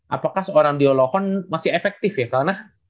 apakah seorang dio lawon masih efektif ya karena